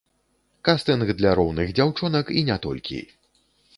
Кастынг для роўных дзяўчонак і не толькі!